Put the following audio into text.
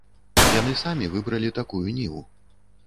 Яны самі выбралі такую ніву.